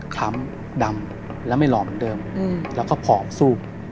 คล้ำดำแล้วไม่หล่อเหมือนเดิมแล้วก็ผอมซูบ